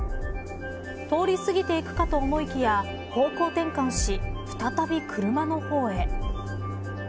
通り過ぎていくかと思いきや方向転換し再び車の方へ。